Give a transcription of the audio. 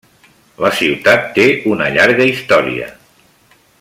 La ciutat té una llarga història.